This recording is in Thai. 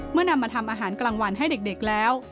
นำมาทำอาหารกลางวันให้เด็กแล้ว